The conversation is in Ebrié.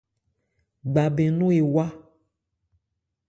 Gba bɛn nɔ̂n ewá.